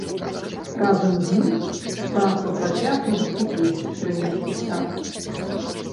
Разам з ім працу працягне ўвесь трэнерскі штаб.